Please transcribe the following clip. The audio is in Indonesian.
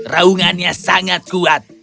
raungannya sangat kuat